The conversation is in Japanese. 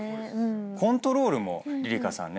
コントロールもりりかさん